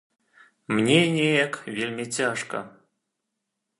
Мне неяк вельмі цяжка.